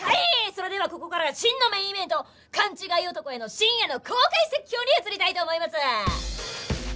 それではここからは真のメインイベント勘違い男への深夜の公開説教に移りたいと思います！